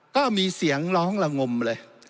ก็มีเสียงร้องละงมเลย